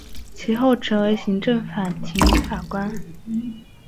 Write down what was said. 其后成为行政法庭法官。